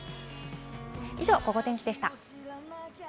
以上、ゴゴ天気でした。